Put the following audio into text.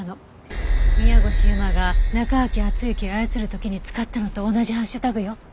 宮越優真が中垣敦之を操る時に使ったのと同じハッシュタグよ。